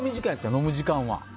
飲む時間は。